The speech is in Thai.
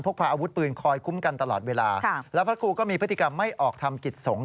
พาอาวุธปืนคอยคุ้มกันตลอดเวลาแล้วพระครูก็มีพฤติกรรมไม่ออกทำกิจสงฆ